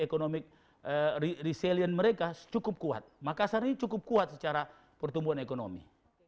ekonomi resilient mereka cukup kuat makassar ini cukup kuat secara pertumbuhan ekonomi